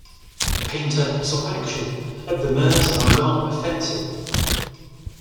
Painter saw action at the Meuse-Argonne Offensive.